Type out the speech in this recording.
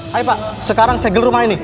hai pak sekarang segel rumah ini